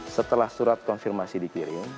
setelah surat konfirmasi dikirim